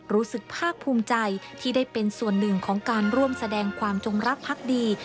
รู้สึกภาคภูมิใจที่ได้เป็นส่วนหนึ่งของการร่วมแสดงความจงรักพักดี